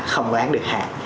không đoán được hàng